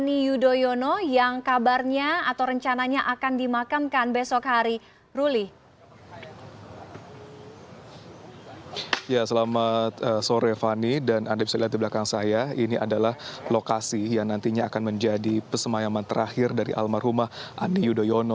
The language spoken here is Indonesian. ini adalah lokasi yang nantinya akan menjadi pesemayaman terakhir dari almarhumah andi yudhoyono